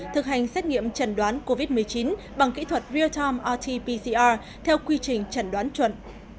thực hành xét nghiệm chẩn đoán covid một mươi chín bằng kỹ thuật real time rt pcr theo quy trình chẩn đoán chuẩn